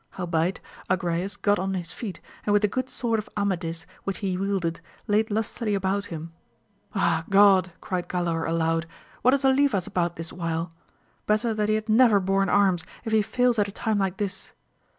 Howbeit, Agrayes got on his feet, and with the good sword of Amadis, which he wielded, laid lustily about him. Ah, God, cried Galaor aloud, what is Olivas about this while ! better that he had never borne arms, if he fails at a time like this